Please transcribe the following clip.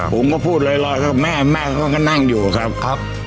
ผมก็พูดลอยก็แม่แม่เขาก็นั่งอยู่ครับ